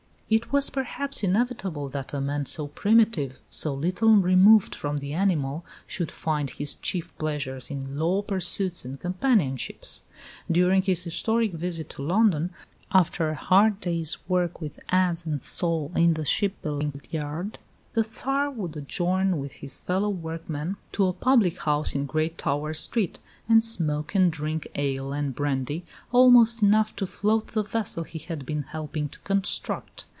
It was, perhaps, inevitable that a man so primitive, so little removed from the animal, should find his chief pleasures in low pursuits and companionships. During his historic visit to London, after a hard day's work with adze and saw in the shipbuilding yard, the Tsar would adjourn with his fellow workmen to a public house in Great Tower Street, and "smoke and drink ale and brandy, almost enough to float the vessel he had been helping to construct."